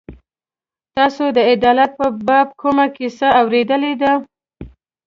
تاسو د عدالت په باب کومه کیسه اورېدلې ده.